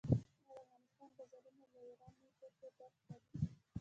آیا د افغانستان بازارونه له ایراني توکو ډک نه دي؟